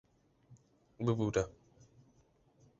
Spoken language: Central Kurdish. ببوورە...